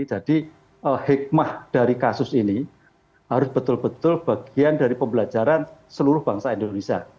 hikmah dari kasus ini harus betul betul bagian dari pembelajaran seluruh bangsa indonesia